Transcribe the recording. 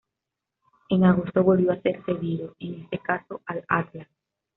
En agosto volvió a ser cedido, en este caso al Atlas.